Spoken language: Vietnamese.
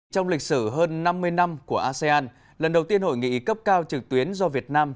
trong lịch sử hơn năm mươi năm của asean lần đầu tiên hội nghị cấp cao trực tuyến do việt nam